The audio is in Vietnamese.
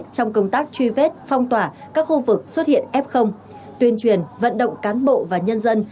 trong công tác truy vết phong tỏa các khu vực xuất hiện f tuyên truyền vận động cán bộ và nhân dân